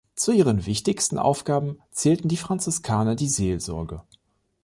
Zu ihren wichtigsten Aufgaben zählten die Franziskaner die Seelsorge.